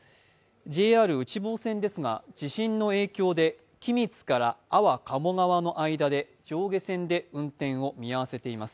ＪＲ内房線ですが、地震の影響で君津から安房鴨川の間で上下線で運転を見合わせています。